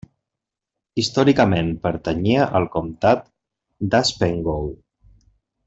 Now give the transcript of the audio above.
Històricament pertanyia al comtat d'Haspengouw.